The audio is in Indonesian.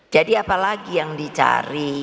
jadi apalagi yang dicari